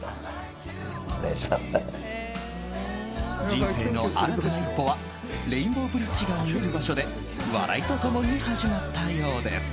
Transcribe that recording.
人生の新たな一歩はレインボーブリッジが見える場所で笑いと共に始まったようです。